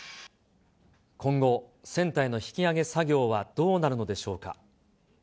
今後、船体の引き揚げ作業はどうなるのでしょうか。